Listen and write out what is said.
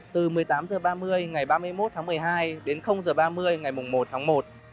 từ một mươi tám h ba mươi ngày ba mươi một tháng một mươi hai đến h ba mươi ngày một tháng một